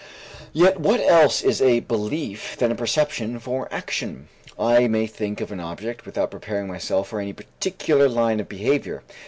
Yet what else is a belief than a preparation for action? I may think of an object without preparing myself for any particular line of behavior.